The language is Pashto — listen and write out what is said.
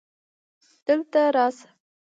دلته راسه